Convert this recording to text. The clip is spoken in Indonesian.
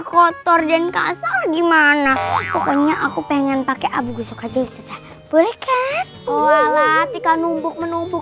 kotor dan kasar gimana pokoknya aku pengen pakai abu gosok aja boleh kek walau tika nubuk menubuk